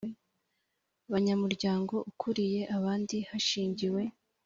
banyamuryango ukuriye abandi hashingiwe